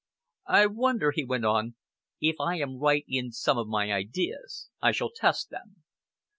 "I wonder," he went on, "if I am right in some of my ideas? I shall test them.